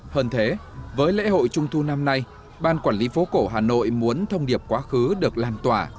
hơn thế với lễ hội trung thu năm nay ban quản lý phố cổ hà nội muốn thông điệp quá khứ được lan tỏa